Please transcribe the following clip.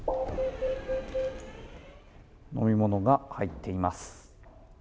飲み物が入っています。